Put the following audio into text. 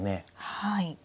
はい。